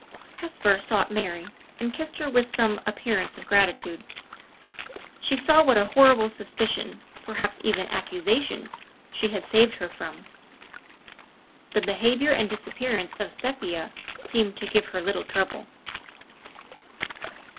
Hesper sought Mary, and kissed her with some appearance of gratitude. She saw what a horrible suspicion, perhaps even accusation, she had saved her from. The behavior and disappearance of Sepia seemed to give her little trouble.